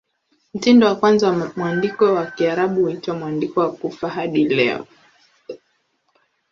Mtindo wa kwanza wa mwandiko wa Kiarabu huitwa "Mwandiko wa Kufa" hadi leo.